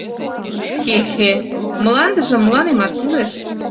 Хе-хе, мландыже мыланемат кӱлеш.